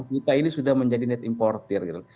kita ini sudah menjadi net importer gitu